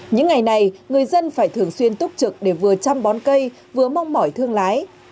những ngày này người dân phải thường xuyên túc trực để vừa chăm bón cây vừa mong mỏi thương lái